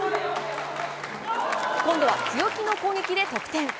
今度は強気の攻撃で得点。